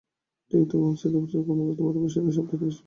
ঠিক তখন শেতশুভ্রের ক্রমাগত ভারী বর্ষণ সেই শব্দকে স্তিমিত করে দিচ্ছিল।